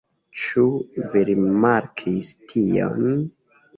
Ĉu vi rimarkis tion?